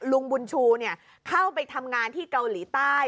ลุงบุญชูเข้าไปทำงานที่เกาหลีใต้